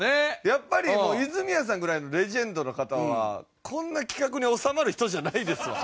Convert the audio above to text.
やっぱり泉谷さんぐらいのレジェンドの方はこんな企画に収まる人じゃないですわ。